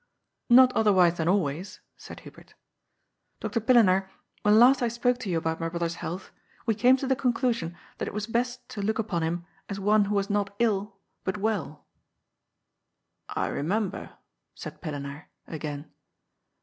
" Not otherwise than always," said Hubert. *' Dr. Pille naar, when last I spoke to you about my brother's health, we came to the conclusion that it was best to look upon him as one who was not ill, but well." 374 GOD'S FOOI4. ^' I remember," said Pillenaar again.